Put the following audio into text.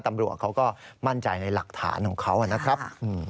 ตำรวจเขาก็มั่นใจในหลักฐานของเขานะครับ